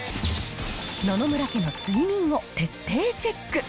野々村家の睡眠を徹底チェック。